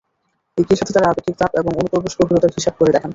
একই সাথে তারা আপেক্ষিক তাপ এবং অনুপ্রবেশ গভীরতার হিসাব করে দেখান।